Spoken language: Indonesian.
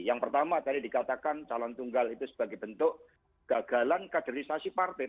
yang pertama tadi dikatakan calon tunggal itu sebagai bentuk gagalan kaderisasi partai